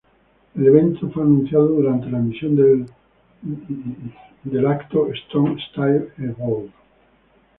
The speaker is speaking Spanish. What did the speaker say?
El evento fue anunciado durante la emisión del evento Strong Style Evolved.